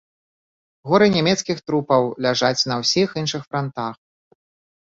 Горы нямецкіх трупаў ляжаць на ўсіх іншых франтах.